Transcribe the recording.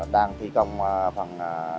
đang thi công phần